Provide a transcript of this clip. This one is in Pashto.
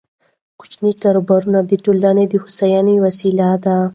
کوچني کاروبارونه د ټولنې د هوساینې وسیله ده.